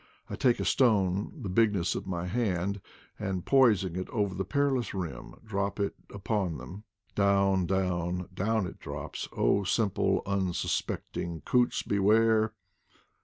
I take a stone the bigness of my hand, and, poising it over the perilous rim, IDLE DAYS 133 drop it upon them: down, down, down it drops; oh, simple, unsuspecting coots, beware!